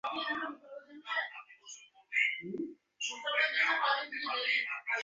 প্রাথমিকভাবে আপনার যা বলার আছে বলুন।